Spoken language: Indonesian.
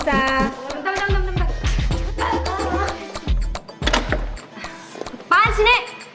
apaan sih nek